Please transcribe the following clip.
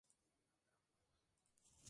Es protagonizada por Choi Kang Hee y Joo Won.